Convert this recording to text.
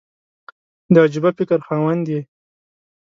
د عجبه فکر خاوند یې !